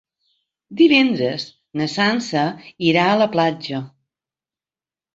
Divendres na Sança irà a la platja.